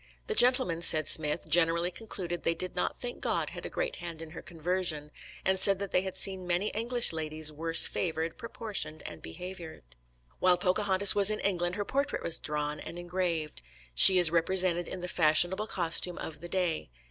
The gentlemen, said Smith, "generally concluded they did not think God had a great hand in her conversion," and said that they had seen "many English ladies worse favoured, proportioned, and behavioured." While Pocahontas was in England her portrait was drawn and engraved. She is represented in the fashionable costume of the day.